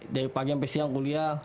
dari pagi sampai siang kuliah